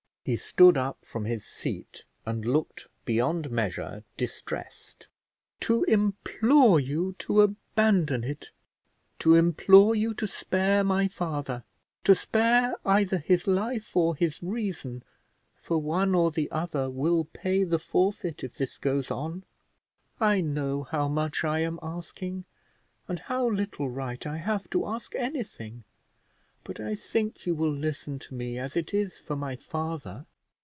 He stood up from his seat, and looked beyond measure distressed. "To implore you to abandon it, to implore you to spare my father, to spare either his life or his reason, for one or the other will pay the forfeit if this goes on. I know how much I am asking, and how little right I have to ask anything; but I think you will listen to me as it is for my father.